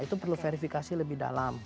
itu perlu verifikasi lebih dalam